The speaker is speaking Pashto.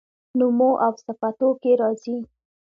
نومواوصفتوکي راځي